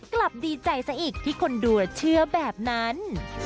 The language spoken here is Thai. กลับดีใจซะอีกที่คนดูเชื่อแบบนั้น